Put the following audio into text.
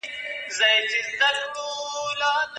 په ژبه خپل په هدیره او په وطن به خپل وي